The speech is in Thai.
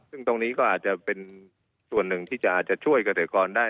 ซึ่งตรงนี้ก็อาจจะเป็นส่วนหนึ่งที่จะอาจจะช่วยเกษตรกรได้